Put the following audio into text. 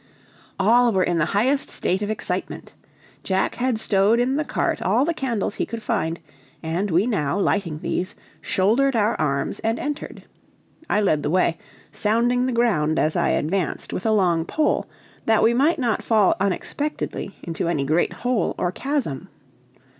All were in the highest state of excitement. Jack had stowed in the cart all the candles he could find, and we now, lighting these, shouldered our arms and entered. I led the way, sounding the ground as I advanced with a long pole, that we might not fall unexpectedly into any great hole or chasm.